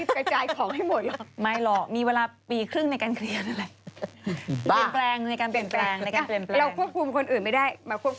ขอบใจมากค่ะค่ะค่ะ